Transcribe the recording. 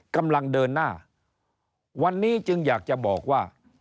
กำลังเดินหน้าวันนี้จึงอยากจะบอกว่า